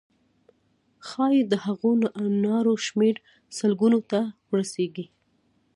ښایي د هغو نارو شمېر سلګونو ته ورسیږي.